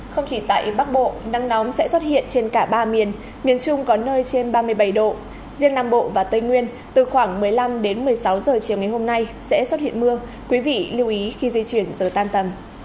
không chỉ tại bắc bộ nắng nóng sẽ xuất hiện trên cả ba miền miền trung có nơi trên ba mươi bảy độ riêng nam bộ và tây nguyên từ khoảng một mươi năm đến một mươi sáu h chiều ngày hôm nay sẽ xuất hiện mưa quý vị lưu ý khi di chuyển giờ tan tầm